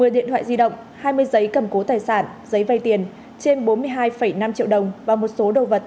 một mươi điện thoại di động hai mươi giấy cầm cố tài sản giấy vay tiền trên bốn mươi hai năm triệu đồng và một số đồ vật